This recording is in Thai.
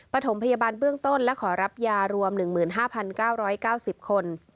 ปฐมพยาบาลเบื้องต้นและขอรับยารวม๑๕๙๙๐คน